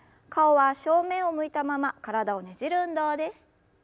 顔は正面を向いたまま体をねじる運動です。